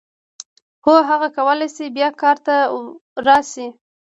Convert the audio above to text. هو هغه کولای شي بیا کار ته راشي.